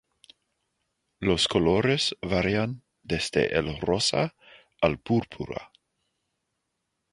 Los colores varían desde el rosa al púrpura.